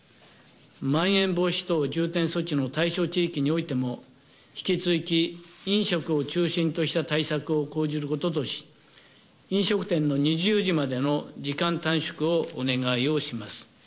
まん延防止等重点措置の対象地域においても、引き続き飲食を中心とした対策を講じることとし、飲食店の２０時までの時間短縮をお願いをします。